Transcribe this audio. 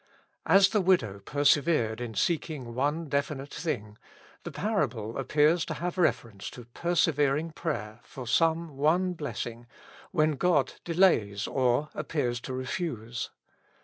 As the widow persevered in seeking one definite thing, the parable appears to have reference to persevering prayer for some one blessing, when God delays or appears to refuse.